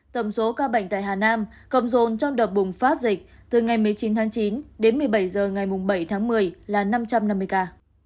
tổng số ca bệnh tại hà nam cộng dồn trong đợt bùng phát dịch từ ngày một mươi chín tháng chín đến một mươi bảy h ngày bảy tháng một mươi là năm trăm năm mươi ca